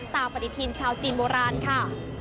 ปฏิทินชาวจีนโบราณค่ะ